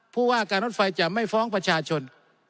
ผู้ว่าการรถไฟจะไม่ฟ้องประชาชน